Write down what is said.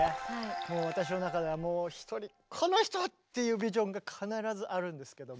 もう私の中ではひとりこの人！っていうビジョンが必ずあるんですけども。